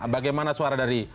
bagaimana suara dari